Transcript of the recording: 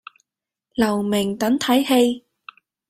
留名等睇戲